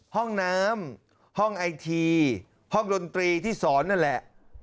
ห้องน้ำห้องไอทีห้องดนตรีที่สอนนั่นแหละ